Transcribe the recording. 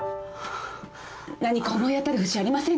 何か思い当たる節ありませんか？